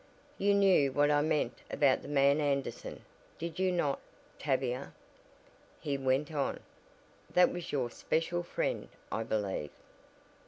"You knew what I meant about the man Anderson, did you not, Tavia?" he went on. "That was your 'special friend' I believe."